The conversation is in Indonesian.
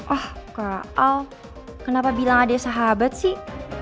ah kak al kenapa bilang adek sahabat sih